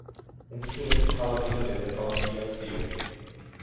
უმსხვილესი ქალაქი და დედაქალაქია სიონი.